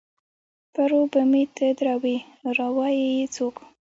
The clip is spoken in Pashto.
پر و به مې ته دروې ، را وا يي يې څوک؟